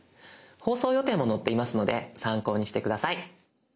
放送予定も載っていますので参考にして下さい。